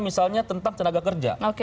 misalnya tentang tenaga kerja